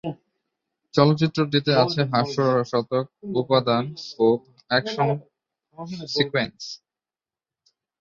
চলচ্চিত্রটিতে আছে হাস্যরসাত্মক উপাদান ও অ্যাকশন সিকোয়েন্স।